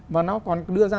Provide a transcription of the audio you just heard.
mà nó còn đưa ra